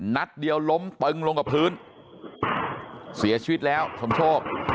นัดเดียวล้มตึงลงกับพื้นเสียชีวิตแล้วสมโชค